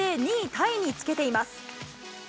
タイにつけています。